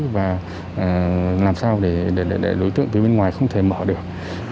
và làm sao để lối tượng phía bên ngoài không thể mở được